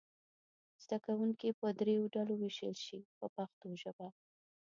زده کوونکي به دریو ډلو وویشل شي په پښتو ژبه.